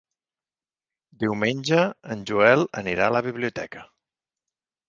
Diumenge en Joel anirà a la biblioteca.